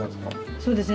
そうですね。